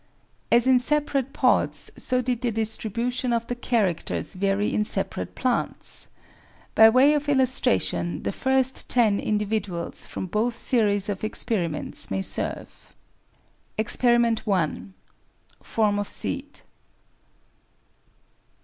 As in separate pods, so did the distribution of the characters vary in separate plants. By way of illustration the first ten individuals from both series of experiments may serve. Experiment 1. Experiment 2. Form of Seed.